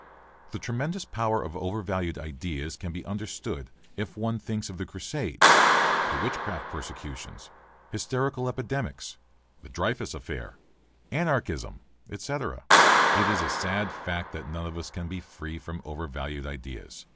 The tremendous power of overvalued ideas can be understood if one thinks of the crusades, the witchcraft persecutions, hysterical epidemics, the Dreyfus affair, anarchism, etc. It is a sad fact that none of us can be free from overvalued ideas.